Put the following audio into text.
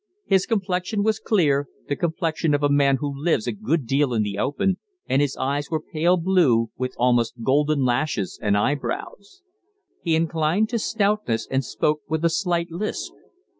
His complexion was clear, the complexion of a man who lives a good deal in the open, and his eyes were pale blue, with almost golden lashes and eye brows. He inclined to stoutness, and spoke with a slight lisp.